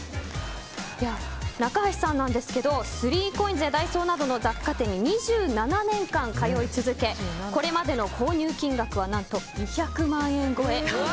中橋さんなんですけど３ＣＯＩＳやダイソーなどの雑貨店に２７年間通い続けこれまでの購入金額は何と２００万円超え。